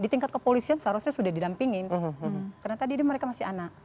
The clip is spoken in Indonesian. di tingkat kepolisian seharusnya sudah didampingin karena tadi mereka masih anak